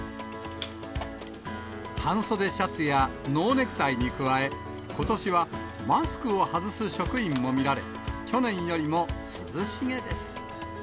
半袖シャツやノーネクタイに加え、ことしはマスクを外す職員も見られ、去年よりも涼しげです。